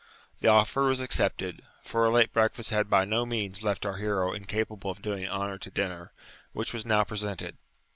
The offer was accepted, for a late breakfast had by no means left our hero incapable of doing honour to dinner, which was now presented.